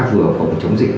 vừa phòng chống dịch